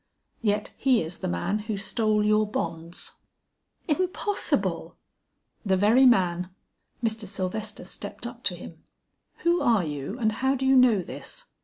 "Yet he is the man who stole your bonds." "Impossible!" "The very man." Mr. Sylvester stepped up to him. "Who are you, and how do you know this?"